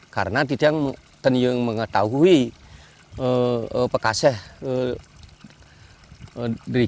karena kami tidak tahu apa yang akan terjadi